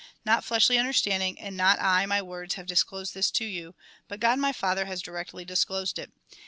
Not fleshly understanding, and not I, my words, have disclosed this to you; but God my Father has directly disclosed it.